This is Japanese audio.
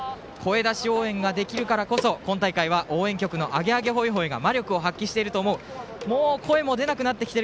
声出し応援ができるからこそ今大会は応援曲の「アゲアゲホイホイ」が魔力を発揮していると思う。